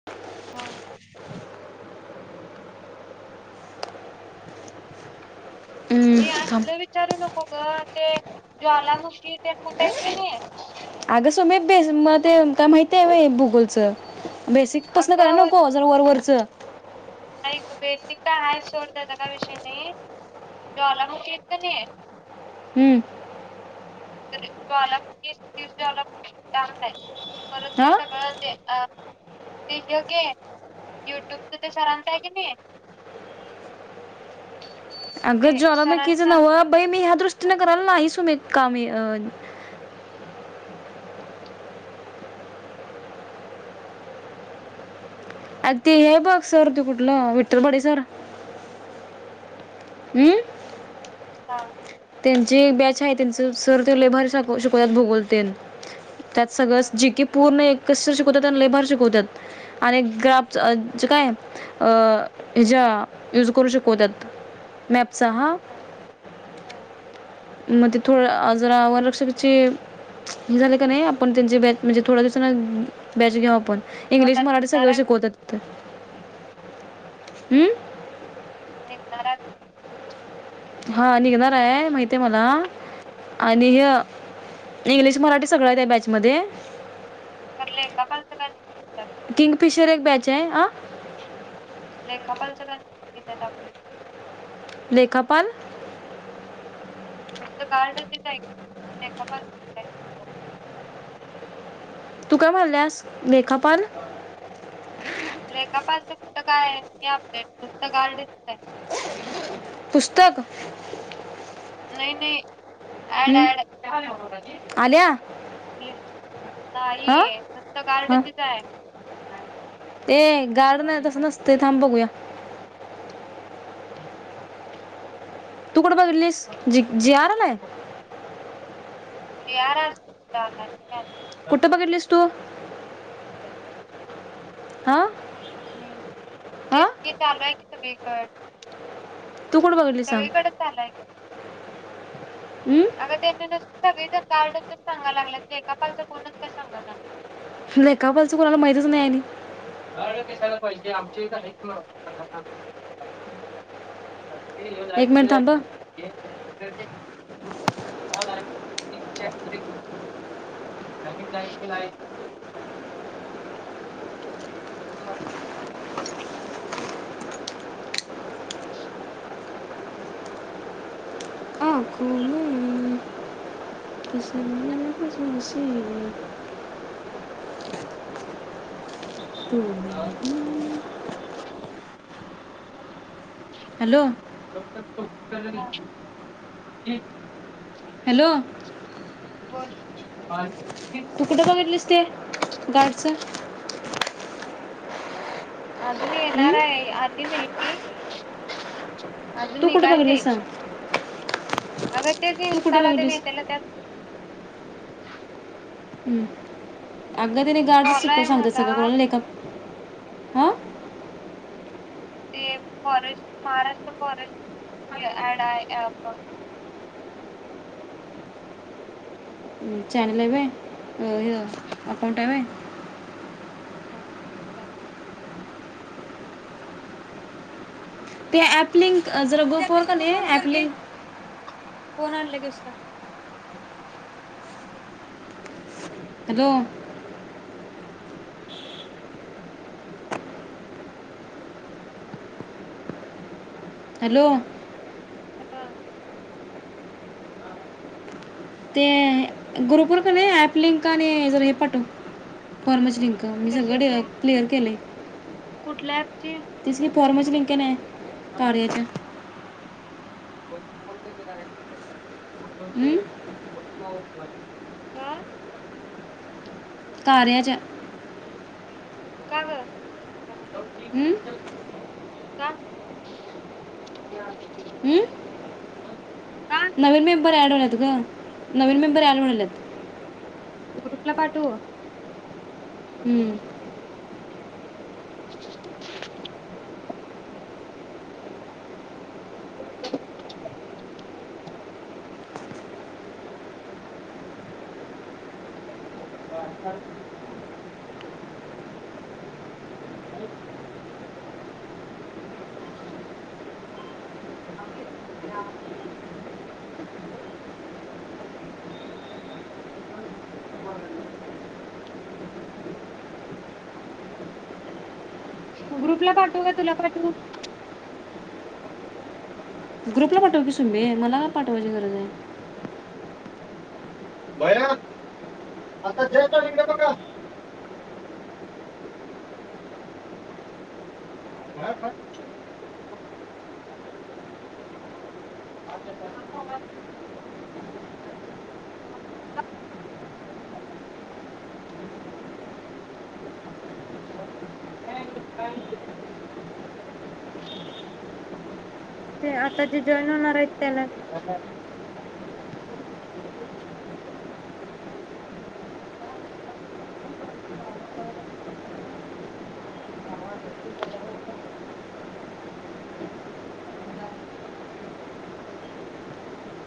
[unintelligible] हा. हम्म, ते थांब. असलं विचारू नको ग, ते ज्वालामुखी तेन कुठं हायत की नाय अगं सुमे बेस म ते काय माहिती हाय व्हय भूगोलचं, बेसिक पसनं कराय अगं नको. जरा वर वरचं. नाय हिथं बेसीक तर हाय सोड त्याचा काय विषय नाय, ज्वालामुखी हाय क नाय हम्म. ज्वालामुखी [unintelligible] परत हा ते सगळं होतंय. अ ते हे ह्यो गे युट्यूबचं ते सरांचं आहे की नाही [unintelligible] ते अगं सरांनी ज्वालामुखीचं नव्हं, बई मी ह्या दृष्टीने करायला नाही सुमि काम अ अगं ते हे बघ सर ती कुठलं विठ्ठल बडे सर. हम्म. हा. त्यांची एक बॅच आहे त्यांचं सर ते लय भारी सा शिकवत्यात भूगोल तेन. त्यात सगळंच हम्म, जी की पूर्ण इतकं सर शिकवतात आणि लय भारी शिकवतात. आणि ग्राफ च ज काय अ हच्या युज करू शिकुवत्यात. मॅपचा हा. [unintelligible] मग ते थोडं आ जरा वनरक्षकाचे हे झाले का नाही आपण त्यांचे बॅच, म्हणजे थोडा दिवसाने बॅच घेऊ आपण. इंग्लिश आता मराठी निघणार सगळं हाय बघ शिकवतात तिथं,,, ते हम्म. निघताना. हा निघणार आहे माहितय मला,, आणि हे इंग्लिश मराठी सगळंय त्या बॅचमध्ये. कुटल्या एका का [unintelligible] किंगफिशर एक बॅच हाय,, हं लेखापालच काय, येत्यात अपडेट. लेखापाल? तेंच कार्ड आहे का [unintelligible] लेखापाल तू काय म्हणाल्यास,, लेखापाल.? बाबा. लेखपांचं कुठं काय आहे नाही अपडेट,,, नुसतं गार्डच आहे. पुस्तक. नाही नाही, ऍड हं? ॲड आल्या हां नाही, नुसतं गार्ड चीच हाय. ते गार्ड नै, तसं नसतय थांब बघूया. तू कुट बघलीस? जी जी आर आलय. जीआर आलाता काय.? कुठं बघितलीस तू हां. हम्म, हां तेच की चालू आय की सगळीकडं, तू कुठं बघितलीस सांग सगळीकडं चालू आहे. हम्म अग त्यांनी सगळेजण गार्डच सांगाय लागलात, लेखापालच कोणच काय सांगना. लेकापालचं कोणाला माहितच नाही आणि. गार्ड कशाला पाहिजे आमच्या हिथं हाय तो,, कंडक्टर. अ एक मिनिट थांब [unintelligible] हा. [unintelligible] कमी हा. [unintelligible] आखो मे इस दिलमे मुशी. हां. हॅलो. डॉक्टर कुलकर्णी. हां. हॅलो! बोल. आणि तू कुठं बघितलीस ते? गार्डचं. तितचं. अजून हं? येणार हाय, आली नाही. आजुन तू कुठं निघायची हाय. बघितलीस सांग आग तेच की तू इंस्टा कुठं ला तेन बघितलीस येत्यालं त्यात. हम्म, अगं तनी गार्ड फॉलो शिको आहे सांगत्यात मला सगळं कोणाला लेकक ते फॉरेस्ट, महाराष्ट्र फॉरेस्ट म्हणून ऍड आहे एक. हं चॅनेल आहे होय? अ हे अकाउंट आहे होय.? हा चला. ते अँप लिंक, अ जरा ग्रुप वर कणी ऍप लिंक. कोण आण लगेसं पा! हॅलो! [unintelligible] हॅलो! हा! ते ग्रुप वर कने ऍप लिंक, आणि जर हे पाठव. फॉर्मची लिंक मी सगळं डिअर कशाची क्लिअर केलय. कुठल्या अँप ची? तीच की फॉर्मची लिंक हेना कार्याच्या. हं? [unintelligible] कार्याच्या! का बरं! हं? हं? [unintelligible] नवीन मेंबर ॲड होयल्यात ग, नवीन मेंबर ॲड होयंल्यात. ग्रुपला पाठवू? [inaudible] [unintelligible] [unintelligible] [unintelligible] [unintelligible] [inaudible] [unintelligible] ग्रुपला पाठऊ का, तुला पाठऊ? ग्रुपला पाठव की सुमे मला काय पाठवायची गरज आहे. भैया आता जयताल इकडे बघा. [unintelligible] [unintelligible] [inaudible] [unintelligible] ते आता जे जॉईन होणार आहेत त्याना. [unintelligible] [unintelligible] [unintelligible] [unintelligible]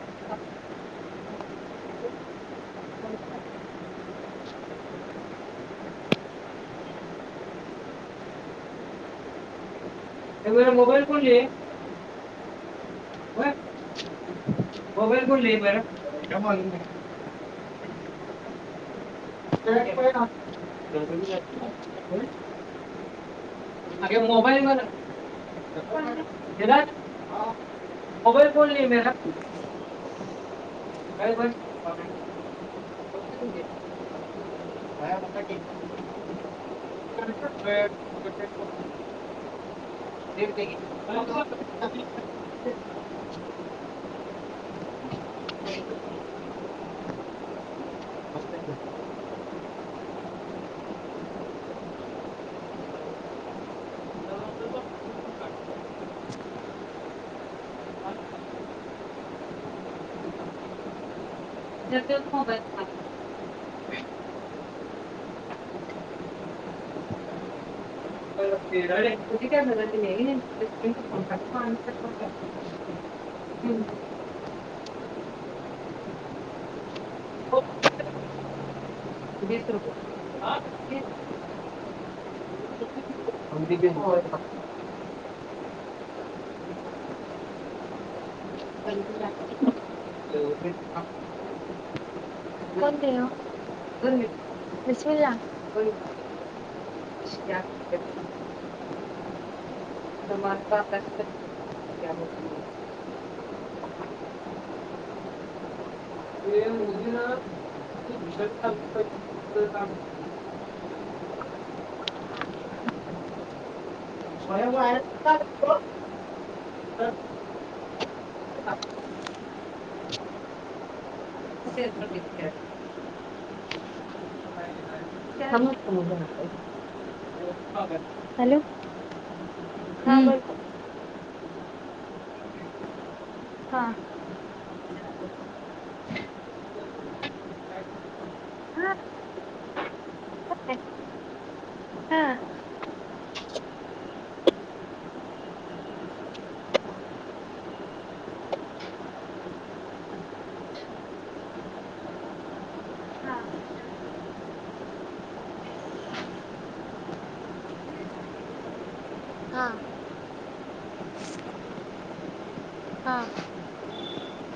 [unintelligible] [unintelligible] [unintelligible] [unintelligible] [unintelligible] [unintelligible] [unintelligible] भया बसा की! [unintelligible] ते बाई कायं पणं मस्तं आहे की आणि तरं कां हां हं एक दिवसं ते मोबाईल पाहिलं खोज कां [unintelligible] हम्मं हो हे तसं हे आं [unintelligible] [unintelligible] [unintelligible] [unintelligible] फोन दे ओ दोन मिनिटं बिस्मिल्ला हं किशी म क्यां करं - - तुम्हांरे काश होे क्यां बोलरे तुमं ते मोदी नं खूंप भीषाणी चालूं केलं भय्या वाईर कांड तो आं कांड ओके नोटिफाइड केलंत तीतकयातं कायं हे कायं आहे सांगू नको मी घरांत आहे हॅलो हां हं. बोलं गं हां हां हां हां हां हां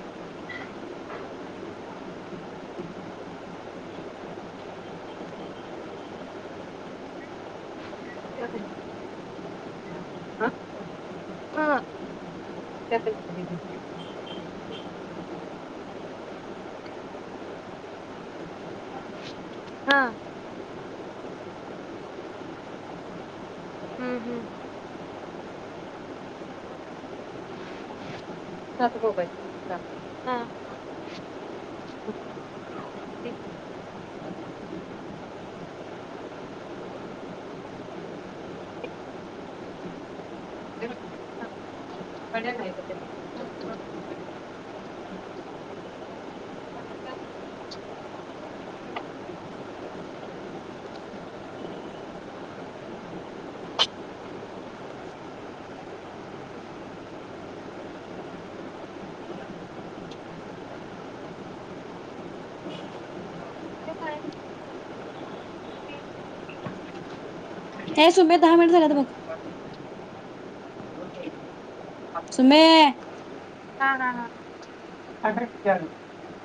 [unintelligible] [unintelligible] क्यां करं रही है हम्मं हां चांगलं कायं दीदी हां हम्मं हम्मं हॅलो सात मोबाईल हां थ [unintelligible] बड्यां कायं करतांत हां हां हां ते कायं ते कायं सुमीत दहा मिनिटं झाल्यां तरं बरं बोलं की सुमेये हां हां हां हांहांट चारुं